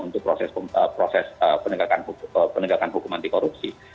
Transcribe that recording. untuk proses penegakan hukum anti korupsi